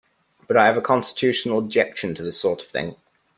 But I have a constitutional objection to this sort of thing.